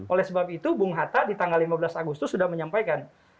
oleh sebab itu bung hatta di tanggal lima belas agustus sudah menyampaikan